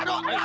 aduh pak aduh